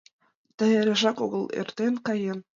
Да эрежак огыл эртен каен.